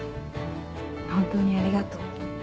本当にありがとう。